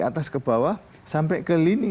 atas ke bawah sampai ke lini